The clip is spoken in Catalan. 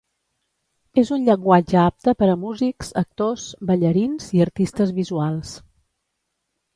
És un llenguatge apte per a músics, actors, ballarins i artistes visuals.